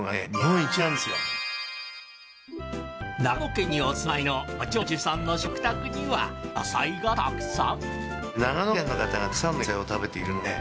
長野県にお住まいのご長寿さんの食卓には野菜がたくさん。